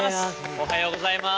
おはようございます。